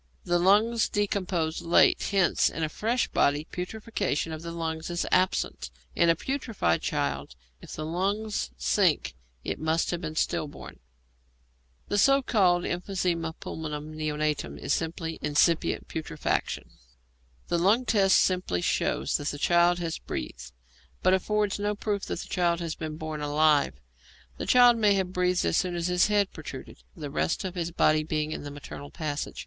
The lungs decompose late, hence in a fresh body putrefaction of the lungs is absent; in a putrefied child, if the lungs sink, it must have been stillborn. The so called emphysema pulmonum neonatorum is simply incipient putrefaction. The lung test simply shows that the child has breathed, but affords no proof that the child has been born alive. The child may have breathed as soon as its head protruded, the rest of the body being in the maternal passages.